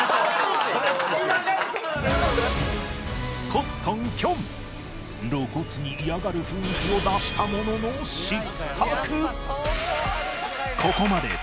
コットンきょん露骨に嫌がる雰囲気を出したものの失格